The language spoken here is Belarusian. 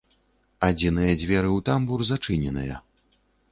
Адзіныя дзверы ў тамбур зачыненыя.